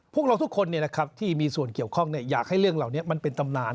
พวกเราทุกคนที่มีส่วนเกี่ยวข้องอยากให้เรื่องเหล่านี้มันเป็นตำนาน